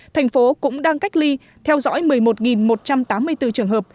thành phố cũng đang cách ly theo dõi một mươi một một trăm tám mươi bốn trường hợp